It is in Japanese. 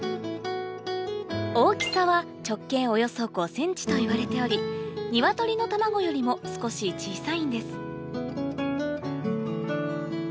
大きさは直径およそ５ｃｍといわれておりニワトリの卵よりも少し小さいんです